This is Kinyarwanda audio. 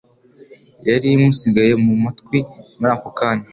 yari imusigaye mu matwi muri ako kanya